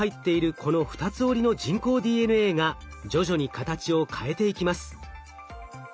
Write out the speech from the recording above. この２つ折りの人工ＤＮＡが徐々に形を変えていきます。